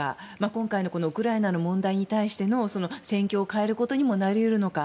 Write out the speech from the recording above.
今回のウクライナの問題に対しての戦況を変えることにもなり得るのか。